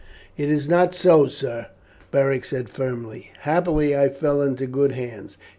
"It is not so, sir," Beric said firmly. "Happily I fell into good hands.